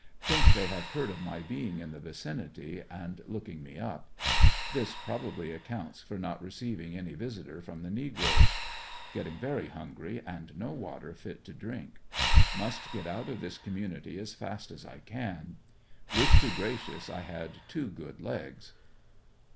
Think they hr.ve heard of my being in the vicinity and looking me up. This probably accounts for not receiving any visitor from the negroes Getting very hungry, and no water tit to drink. Must get out of this community as fast as I can. Wish to gracious I had two good legs.